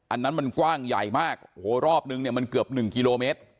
อันนั้นมันกว้างใหญ่มากโอ้โหรอบนึงเนี่ยมันเกือบหนึ่งกิโลเมตร